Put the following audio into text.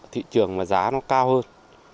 thị trường mà giá nó cao hơn